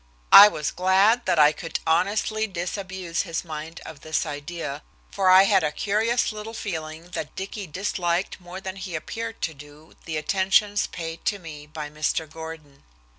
I was glad that I could honestly disabuse his mind of this idea, for I had a curious little feeling that Dicky disliked more than he appeared to do the attentions paid to me by Mr. Gordon.